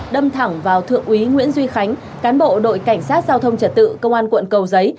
đâm thẳng vào thượng úy nguyễn duy khánh cán bộ đội cảnh sát giao thông trật tự công an quận cầu giấy